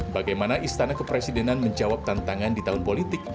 bagaimana istana kepresidenan menjawab tantangan di tahun politik